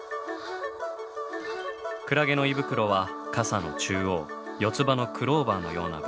クラゲの胃袋は傘の中央四つ葉のクローバーのような部分。